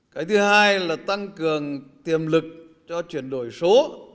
cái thứ hai là tăng cường tiềm lực cho chuyển đổi số